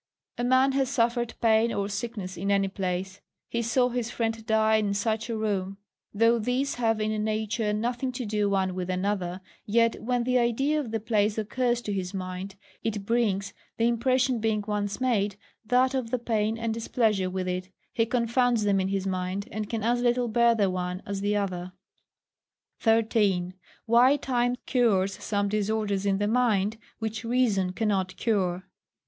A man has suffered pain or sickness in any place; he saw his friend die in such a room: though these have in nature nothing to do one with another, yet when the idea of the place occurs to his mind, it brings (the impression being once made) that of the pain and displeasure with it: he confounds them in his mind, and can as little bear the one as the other. 13. Why Time cures some Disorders in the Mind, which Reason cannot cure.